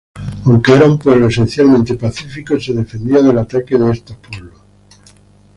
Aunque era un pueblo esencialmente pacífico, se defendían del ataque de estos pueblos.